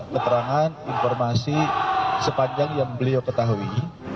keterangan informasi sepanjang yang beliau ketahui